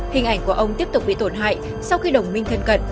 hình ảnh của ông tiếp tục bị tổn hại sau khi đồng minh thân cận